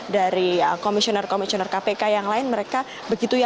dari komisioner komisioner kpk yang lain mereka begitu ya